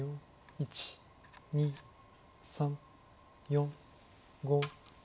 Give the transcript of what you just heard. １２３４５。